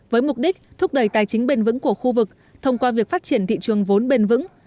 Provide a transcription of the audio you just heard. với mục đích thúc đẩy tài chính bền vững của khu vực thông qua việc phát triển thị trường vốn bền vững